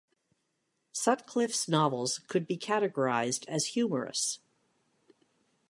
Sutcliffe's novels could be categorised as humorous.